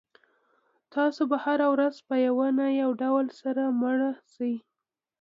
تاسو به هره ورځ په یو نه یو ډول سره مړ شئ.